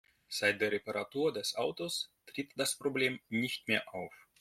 Seit der Reparatur des Autos tritt das Problem nicht mehr auf.